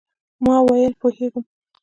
ما وویل، پوهېږم.